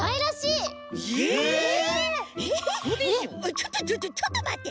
ちょっとちょっとちょっとまって。